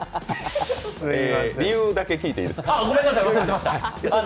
理由だけ聞いていいですか。